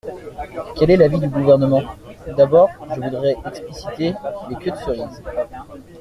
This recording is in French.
Quel est l’avis du Gouvernement ? D’abord, je voudrais expliciter les queues de cerises.